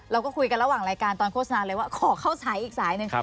เราก็คุยกันระหว่างรายการตอนโฆษณาเลยว่าขอเข้าสายอีกสายหนึ่ง